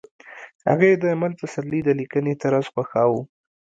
هغې د ایمل پسرلي د لیکنې طرز خوښاوه